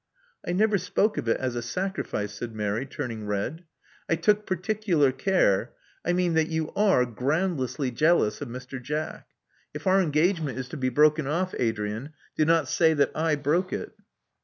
I never spoke of it as a sacrifice," said Mary, turning red. *'I took particular care — I mean that you are groundlessly jealous of Mr. Jack. If our engagement is to be broken oflE, Adrian, do not say that I broke it."